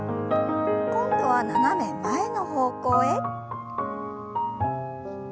今度は斜め前の方向へ。